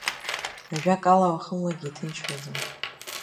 Ажәакала, уахынлагьы иҭынчраӡам.